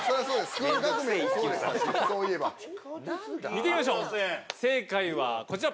見てみましょう正解はこちら。